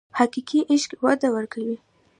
حقیقي عشق وده ورکوي.